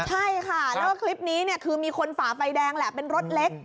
ใช่ค่ะแล้วก็คลิปนี้เนี่ยคือมีคนฝ่าไฟแดงแหละเป็นรถเล็ก